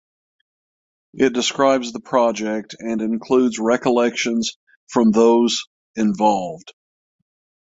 It describes the project and includes recollections from those involved.